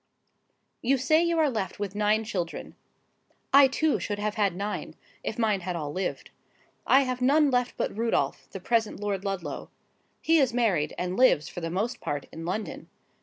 'You say you are left with nine children. I too should have had nine, if mine had all lived. I have none left but Rudolph, the present Lord Ludlow. He is married, and lives, for the most part, in London.